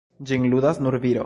Ĝin ludas nur viro.